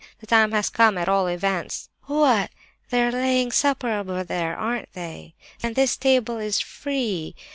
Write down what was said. The time has come, at all events. What! they are laying supper over there, are they? Then this table is free?